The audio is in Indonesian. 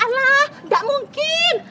alah nggak mungkin